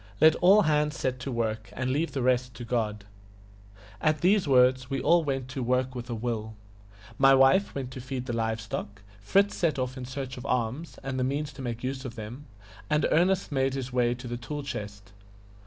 Let all hands set to work, and leave the rest to God." At these words we all went to work with a will. My wife went to feed the live stock; Fritz set off in search of arms, and the means to make use of them; and Ernest made his way to the tool chest.